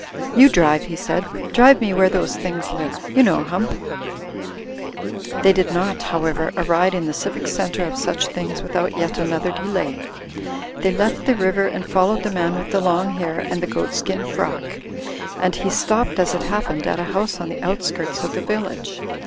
"You drive," he said, "drive me where those things live ; you know, Hump." They did not, however, arrive in the civic centre of such things without yet another delay. They left the river and followed the man with the long hair and the goatskin frock; and he stopped as it happened at a house on the outskirts of the village.